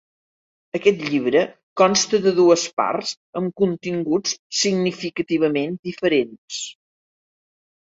Aquest llibre consta de dues parts amb continguts significativament diferents.